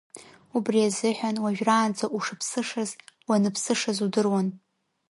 Убри азыҳәан, уажәраанӡа ушыԥсышаз уаныԥсышаз удыруан.